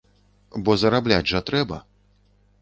Бо зарабляць жа трэба.